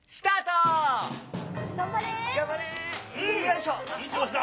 いいちょうしだ！